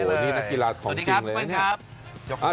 สวัสดีครับพี่เปิ้ลครับ